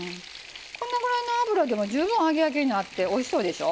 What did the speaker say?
このぐらいの油でも十分揚げ焼きになっておいしそうでしょ？